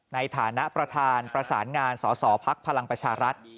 ในฐานะประธานประสานงานสสพลังประชารัฐ